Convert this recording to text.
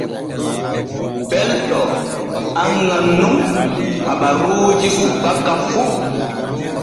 Belɗo anŋan nun habaruuji subaka fu.